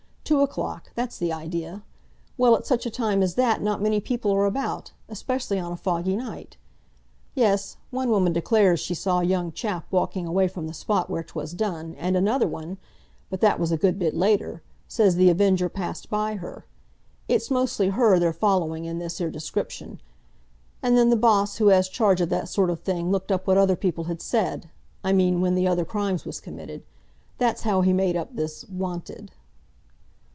Two o'clock—that's the idea. Well, at such a time as that not many people are about, especially on a foggy night. Yes, one woman declares she saw a young chap walking away from the spot where 'twas done; and another one—but that was a good bit later—says The Avenger passed by her. It's mostly her they're following in this 'ere description. And then the boss who has charge of that sort of thing looked up what other people had said—I mean when the other crimes was committed. That's how he made up this 'Wanted.